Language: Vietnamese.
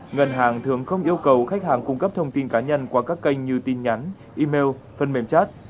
ngân hàng thường không yêu cầu khách hàng cung cấp thông tin cá nhân qua các kênh như tin nhắn email phần mềm chat